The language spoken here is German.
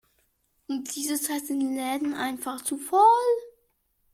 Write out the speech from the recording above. Um diese Zeit sind die Läden einfach zu voll.